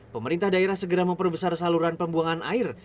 pemerintah daerah segera memperbesar saluran pembuangan air